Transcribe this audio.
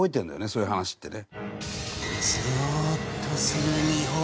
そういう話ってね。